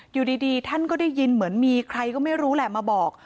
อยู่ดีท่านก็ได้ยินเหมือนมีใครก็ไม่รู้แหละมาบอก